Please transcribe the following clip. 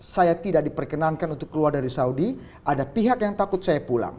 saya tidak diperkenankan untuk keluar dari saudi ada pihak yang takut saya pulang